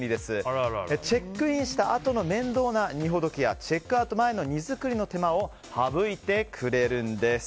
チェックインしたあとの面倒な荷ほどきやチェックアウト前の荷作りの手間を省いてくれるんです。